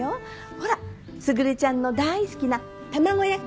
ほら卓ちゃんの大好きな卵焼き！